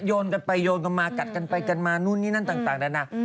โยนกันไปโยนกันมากัดกันไปกันมานู่นนี่นั่นต่างนานา